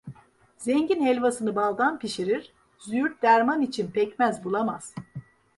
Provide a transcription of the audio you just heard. Zengin helvasını baldan pişirir, züğürt derman için pekmez bulamaz.